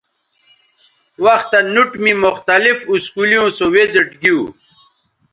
وختہ نوٹ می مختلف اسکولیوں سو وزٹ گیو